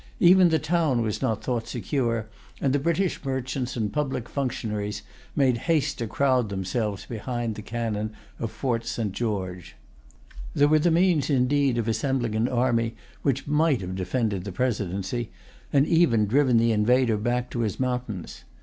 Even the town was not thought secure, and the British merchants and public functionaries made haste to crowd themselves behind the cannon of Fort St. George.[Pg 177] There were the means indeed of assembling an army which might have defended the presidency, and even driven the invader back to his mountains.